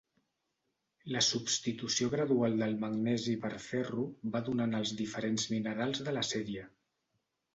La substitució gradual del magnesi per ferro va donant els diferents minerals de la sèrie.